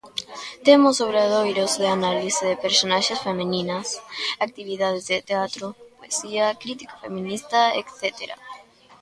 Temos obradoiros de análise de personaxes femininas, actividades de teatro, poesía, crítica feminista etcétera.